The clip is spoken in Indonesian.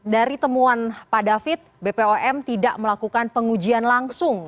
dari temuan pak david bpom tidak melakukan pengujian langsung